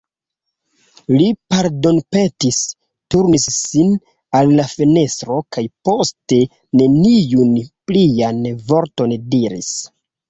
Li pardonpetis, turnis sin al la fenestro, kaj poste neniun plian vorton diris.